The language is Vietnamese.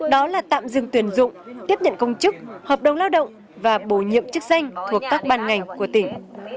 đó là tạm dừng tuyển dụng tiếp nhận công chức hợp đồng lao động và bổ nhiệm chức danh thuộc các ban ngành của tỉnh